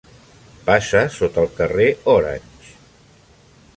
Passa sota el carrer Orange.